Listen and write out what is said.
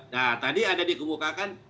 nah tadi ada dikemukakan